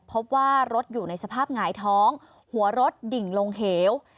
พบว่ารถอยู่ในสภาพหงายท้องหัวรถดิ่งลงเหว